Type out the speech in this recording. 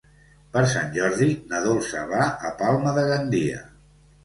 Per Sant Jordi na Dolça va a Palma de Gandia.